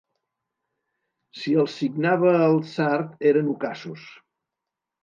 Si els signava el tsar eren ucassos.